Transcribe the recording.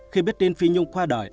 khi biết tin phi nhung qua đời